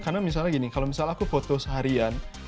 karena misalnya gini kalau misalnya aku foto seharian